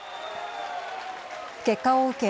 結果を受け